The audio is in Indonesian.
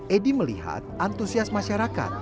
edi melihat antusias masyarakat